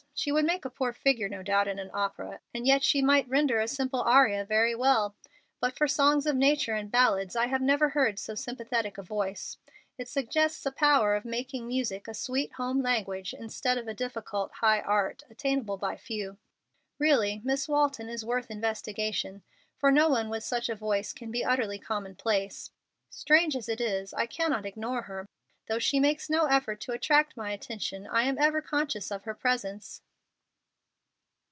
She would make a poor figure, no doubt, in an opera; and yet she might render a simple aria very well. But for songs of nature and ballads I have never heard so sympathetic a voice. It suggests a power of making music a sweet home language instead of a difficult, high art, attainable by few. Really Miss Walton is worth investigation, for no one with such a voice can be utterly commonplace. Strange as it is, I cannot ignore her. Though she makes no effort to attract my attention, I am ever conscious of her presence."